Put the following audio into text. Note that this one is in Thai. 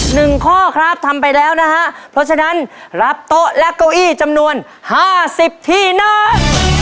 หนึ่งข้อครับทำไปแล้วนะฮะเพราะฉะนั้นรับโต๊ะและเก้าอี้จำนวนห้าสิบที่นั่ง